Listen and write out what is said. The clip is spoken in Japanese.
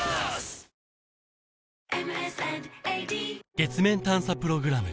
月面探査プログラム